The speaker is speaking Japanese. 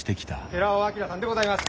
寺尾聰さんでございます。